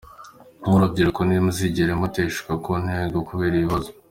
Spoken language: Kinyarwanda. Nk’urubyiruko ntimuzigere muteshuka ku ntego kubera ibibazo”.